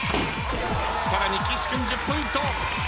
さらに岸君１０ポイント。